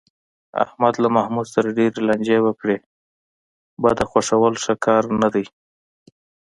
احمد له محمود سره ډېرې لانجې وکړې، بده خوښول ښه کار نه دی.